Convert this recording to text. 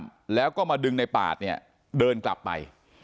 แล้วก็มาดึงในปาดเนี่ยเดินกลับไป